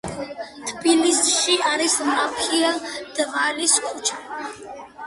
თბილისში არის რაფიელ დვალის ქუჩა.